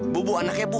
bu anaknya bu